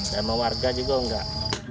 sama warga juga nggak